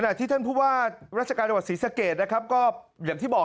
ที่ท่านผู้ว่าราชการจังหวัดศรีสะเกดนะครับก็อย่างที่บอก